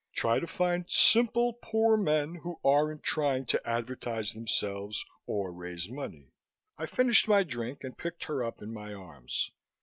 Try to find simple, poor men who aren't trying to advertise themselves or raise money." I finished my drink and picked her up in my arms.